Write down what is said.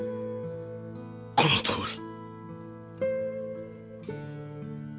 このとおり。